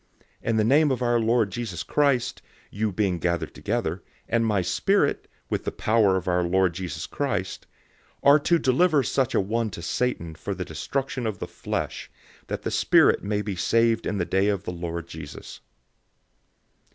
005:004 In the name of our Lord Jesus Christ, you being gathered together, and my spirit, with the power of our Lord Jesus Christ, 005:005 are to deliver such a one to Satan for the destruction of the flesh, that the spirit may be saved in the day of the Lord Jesus.